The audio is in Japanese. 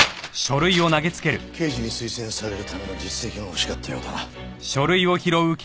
刑事に推薦されるための実績が欲しかったようだな。